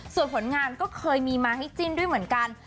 ส่วนผลงานก็เคยมีมาให้จิ้นด้วยเหมือนกัน